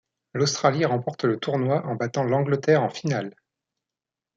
L'Australie remporte le tournoi en battant l'Angleterre en finale.